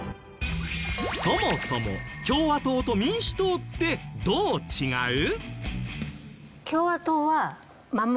そもそも共和党と民主党ってどう違う？